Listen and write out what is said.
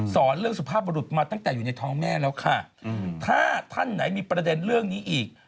สอนเรื่องสุภาพบรุษมาตั้งแต่อยู่ในท้องแม่แล้วค่ะถ้าท่านไหนมีประเด็นเรื่องนี้อีก